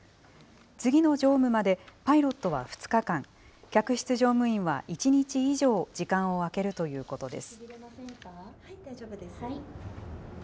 次の乗務までパイロットは２日間、客室乗務員は１日以上、時間を空けるということです。